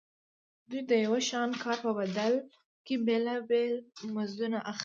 دوی د یو شان کار په بدل کې بېلابېل مزدونه اخلي